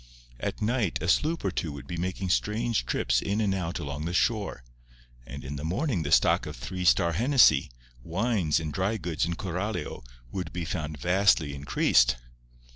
At night a sloop or two would be making strange trips in and out along the shore; and in the morning the stock of Three Star Hennessey, wines and drygoods in Coralio would be found vastly increased.